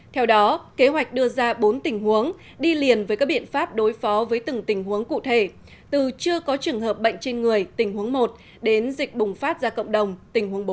theo đó kế hoạch đưa ra bốn tình huống đi liền với các biện pháp đối phó với từng tình huống cụ thể từ chưa có trường hợp bệnh trên người tình huống một đến dịch bùng phát ra cộng đồng tình huống bốn